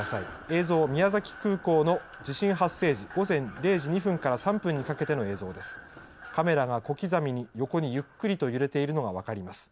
映像、宮崎空港の地震発生時、午前０時２分から３分にかけての映像です。